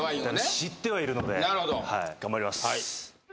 知ってはいるのでなるほど頑張ります